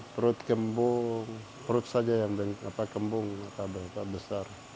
perut kembung perut saja yang kembung besar